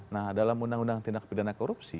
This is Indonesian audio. nah dalam undang undang tindak pidana korupsi